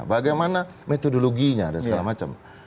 bagaimana metodologinya dan segala macam